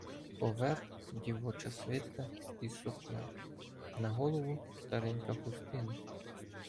Поверх — дівоча свитка із сукна, на голову — старенька хустина.